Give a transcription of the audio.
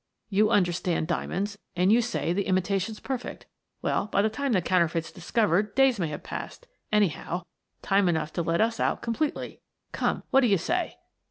You understand diamonds and you say the imitation's perfect. Well, by the time the counterfeit's discovered days may have passed — anyhow, time enough to let us out completely. Come; what do you say?